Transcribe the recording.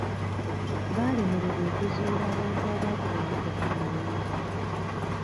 Baalemererwa okuzuula abantu abaakuba emmotoka amayinja.